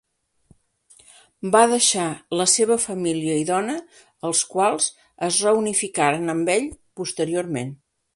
Va deixar la seva família i dona, els quals es reunificaren amb ell posteriorment.